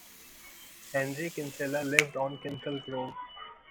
Henry Kinsela lived on Kinsel Grove.